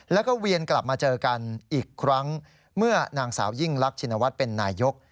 แล้วก็เวียนกลับมาเจอกันอีกครั้งเมื่อนางสาวยิ่งรักชินวัฒน์เป็นนายก